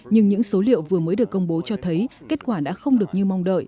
nhưng những số liệu vừa mới được công bố cho thấy kết quả đã không được như mong đợi